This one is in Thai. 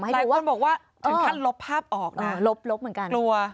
มาให้ดูว่าเออลบเหมือนกันลัวหลายคนบอกว่าถึงขั้นลบภาพออกนะ